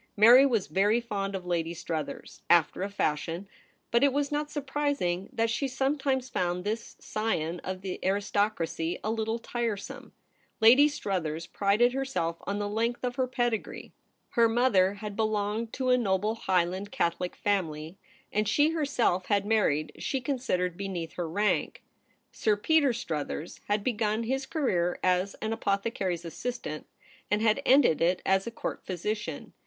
Mary was very fond of Lady Struthers, after a fashion ; but it was not surprising that she sometimes found this scion of the aris tocracy a little tiresome. Lady Struthers prided herself on the length of her pedigree. Her mother had belonged to a noble High land Catholic family, and she herself had married, she considered, beneath her rank. Sir Peter Struthers had begun his career as an apothecary's assistant, and had ended it as a Court physician.